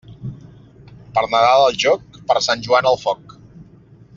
Per Nadal al jóc, per Sant Joan al foc.